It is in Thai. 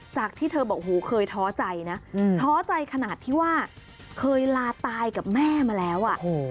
จากที่เธอบอกหูเคยท้อใจนะท้อใจขนาดที่ว่าเคยลาตายกับแม่มาแล้วอ่ะ